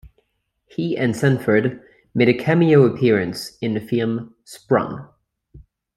He and Sanford made a cameo appearance in the film "Sprung".